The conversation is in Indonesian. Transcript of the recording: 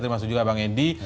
terima kasih juga bang edi